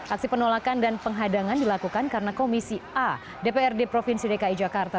aksi penolakan dan penghadangan dilakukan karena komisi a dprd provinsi dki jakarta